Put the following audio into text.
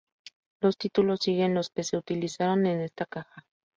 Los títulos siguen los que se utilizaron en esta caja.